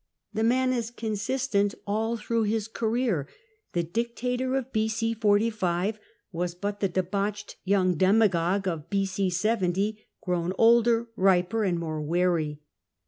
The infl.T> is consistent all through his career ; the dictator of B.C. 45 was but the debauched young demagogue of B.c. 70 grown older, riper, and more wary.